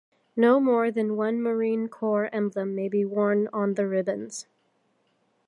No more than one Marine Corps emblem may be worn on the ribbons.